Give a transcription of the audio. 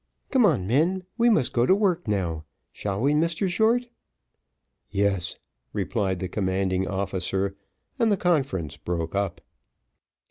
"Come, men, we must go to work now. Shall we, Mr Short?" "Yes," replied the commanding officer, and the conference broke up.